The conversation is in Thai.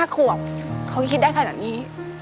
๕ขวบเขาคิดได้ขนาดนี้